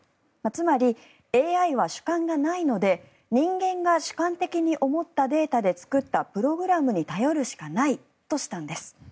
つまり、ＡＩは主観がないので人間が主観的に作ってプログラムしたデータに頼るしかないとしたんです。